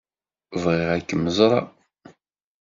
Bɣiɣ ad kem-ẓṛeɣ.